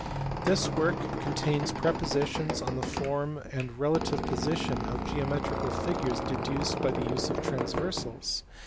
This work con tains propositions on the form and relative position of geometrical figures deduced by the use of transversals.